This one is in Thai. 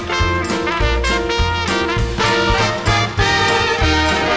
โปรดติดตามต่อไป